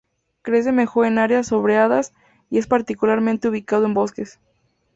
Crece mejor en áreas sombreadas, y es particularmente ubicado en bosques.